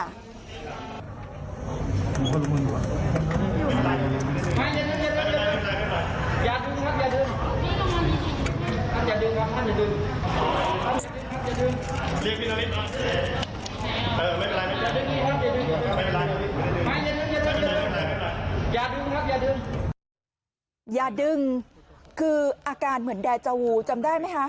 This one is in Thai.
อย่าดึงครับอย่าดึงอย่าดึงคืออาการเหมือนแดจาวูจำได้ไหมคะ